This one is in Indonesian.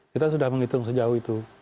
kita sudah menghitung sejauh itu